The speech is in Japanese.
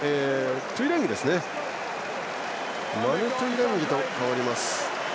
トゥイランギと代わります。